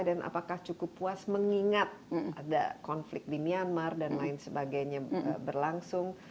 dan apakah cukup puas mengingat ada konflik di myanmar dan lain sebagainya berlangsung